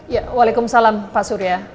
ya waalaikumsalam pak surya